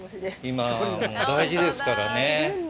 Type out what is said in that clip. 今、大事ですからね。